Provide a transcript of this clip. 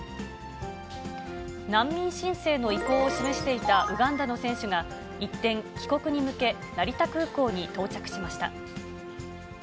難民申請の意向を示していたウガンダの選手が一転、帰国に向け、成田空港に到着しました。